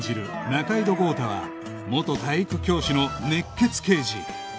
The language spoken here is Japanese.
仲井戸豪太は元体育教師の熱血刑事